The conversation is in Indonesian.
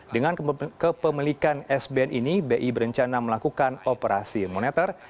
dengan kepemilikan sbn ini bi berencana melakukan operasi moneter